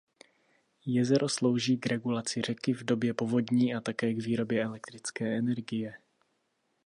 Jezero slouží k regulaci řeky v době povodní a také k výrobě elektrické energie.